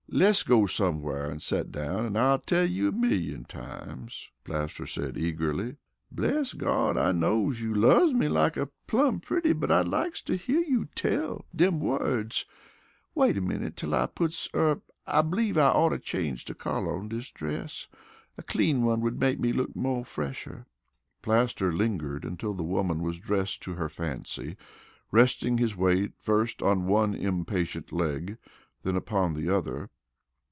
"Less go somewhar an' set down an' I'll tell you a millyum times," Plaster said eagerly. "Bless Gawd, I knows you loves me a plum' plenty, but I likes to hear you tell dem words. Wait a minute till I puts er I b'lieve I oughter change de collar on dis dress. A clean one would make me look mo' fresher." Plaster lingered until the woman was dressed to her fancy, resting his weight first on one impatient leg, then upon the other.